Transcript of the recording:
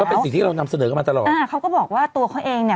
เป็นสิ่งที่เรานำเสนอกันมาตลอดอ่าเขาก็บอกว่าตัวเขาเองเนี่ย